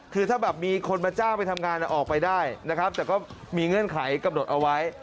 คือถ้าแบบมีคนมาจ้างไปทำงานออกไปได้นะครับแต่ก็มีเงื่อนไขกำหนดเอาไว้